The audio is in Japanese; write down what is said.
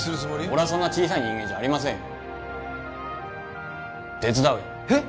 俺はそんな小さい人間じゃありませんよ手伝うよえっ！？